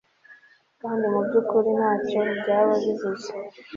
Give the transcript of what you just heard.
kandi mu by'ukuri ntacyo byaba bivuze